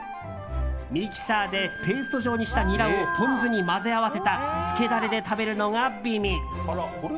ミキサーでペースト状にしたニラをポン酢に混ぜ合わせたつけダレで食べるのが美味。